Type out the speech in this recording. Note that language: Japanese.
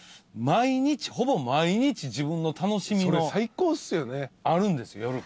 毎日ほぼ毎日自分の楽しみのあるんですよ